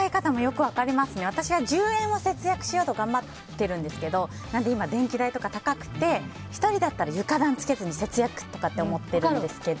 １０万円を節約しようと頑張ってるんですけど電気代とか高くて１人だったら床暖つけずに節約とかって思ってるんですけど。